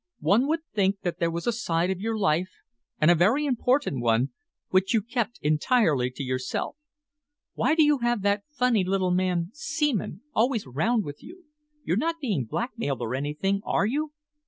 "One would think that there was a side of your life, and a very important one, which you kept entirely to yourself. Why do you have that funny little man Seaman always round with you? You're not being blackmailed or anything, are you?"